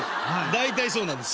大体そうなんですよ。